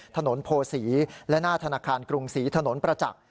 ถนนโพศีและหน้าธนาคารกรุงศรีถนนประจักษ์